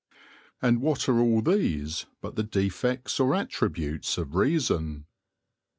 And what are all these but the defects or attributes of reason ?